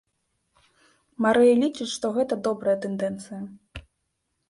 Марыя лічыць, што гэта добрая тэндэнцыя.